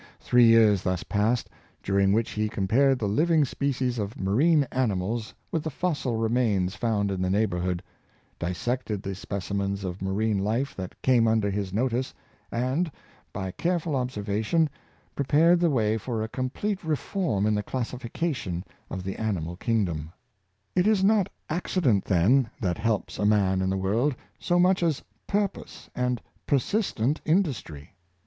Three years thus passed, during which he compared the living species of marine animals with the fossil remains found in the neighborhood , dissected the specimens of marine life that came under his notice, and, by careful observation, prepared the way for a complete reform in the classification of the animal kingdom. 17 258 Pe7'sistent Industry. It is not accident, then, that helps a man in the world so much as purpose and persistent industry.